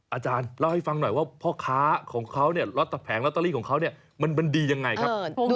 อาจารย์เล่าให้ฟังหน่อยว่าพ่อค้าของเขาเนี่ยแผงลอตเตอรี่ของเขาเนี่ยมันดียังไงครับ